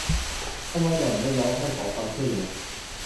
ทำไมหล่อนไม่ร้องไห้ขอความช่วยเหลือ ?